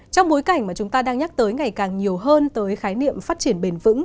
trong bối cảnh mà chúng ta đang nhắc tới ngày càng nhiều hơn tới khái niệm phát triển bền vững